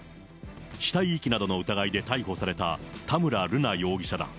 死体遺棄などの疑いで逮捕された田村瑠奈容疑者だ。